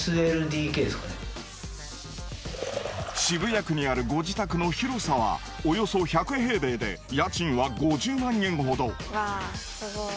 渋谷区にあるご自宅の広さはおよそ１００平米で家賃は５０万円ほど。